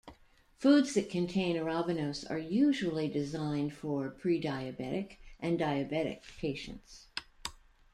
Foods that contain arabinose are usually designed for prediabetic and diabetic patients.